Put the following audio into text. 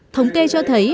thống kê cho thấy